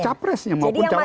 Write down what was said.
capresnya maupun jawa pres